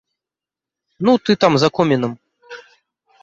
Ну, ты там, за комінам!